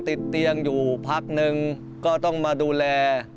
ติดเตียงอยู่พักนึงก็ต้องมาดูแล